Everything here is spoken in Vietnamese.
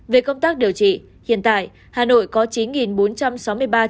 về công tác điều trị hiện tại hà nội có chín bốn trăm sáu mươi bảy ca mắc